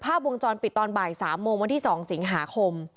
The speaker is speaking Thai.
วงจรปิดตอนบ่าย๓โมงวันที่๒สิงหาคม